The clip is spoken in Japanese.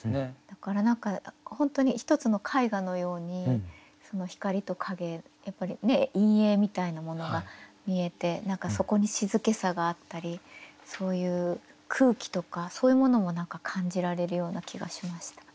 だから何か本当に一つの絵画のようにその光と影やっぱり陰影みたいなものが見えて何かそこに静けさがあったりそういう空気とかそういうものも感じられるような気がしました。